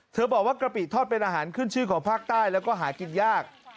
บอกว่ากะปิทอดเป็นอาหารขึ้นชื่อของภาคใต้แล้วก็หากินยาก